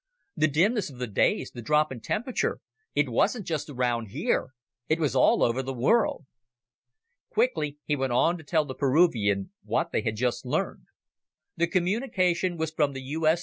The dimness of the days, the drop in temperature it wasn't just around here! It was all over the world!" Quickly, he went on to tell the Peruvian what they had just learned. The communication was from the U.S.